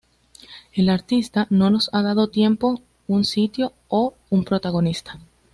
El artista no nos ha dado tiempo, un sitio, o un protagonista.